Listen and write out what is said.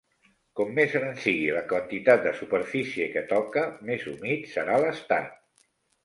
Com més gran sigui la quantitat de superfície que toca, més humit serà l'estat.